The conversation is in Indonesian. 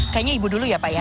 kayaknya ibu dulu ya pak ya